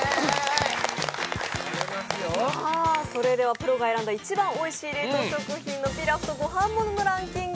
プロが選んだ一番おいしい冷凍食品のピラフと御飯もののランキング